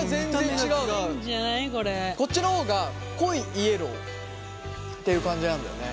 こっちの方が濃いイエローっていう感じなんだよね。